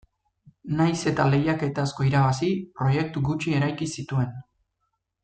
Nahiz eta lehiaketa asko irabazi, proiektu gutxi eraiki zituen.